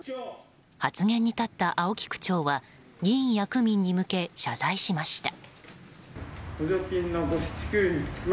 発言に立った青木区長は議員や区民に向け謝罪しました。